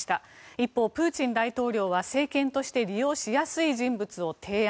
一方、プーチン大統領は政権として利用しやすい人物を提案。